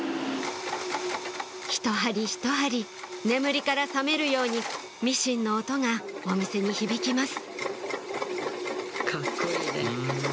ひと針ひと針眠りから覚めるようにミシンの音がお店に響きます